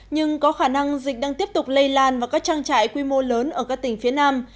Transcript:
nhưng có khả năng dịch đang tiếp tục lây lan vào các trang trại quy mô lớn ở các tỉnh phía nam